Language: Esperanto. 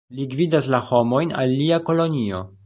Li gvidas la homojn al lia kolonio.